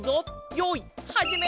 よいはじめ！